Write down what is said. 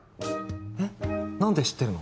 え何で知ってるの？